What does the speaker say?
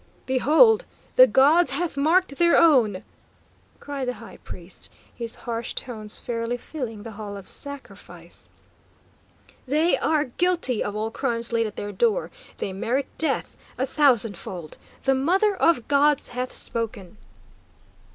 "Behold! the gods hath marked their own!" cried the high priest, his harsh tones fairly filling the Hall of Sacrifice. "They are guilty of all crimes laid at their door. They merit death, a thousandfold. The Mother of Gods hath spoken!"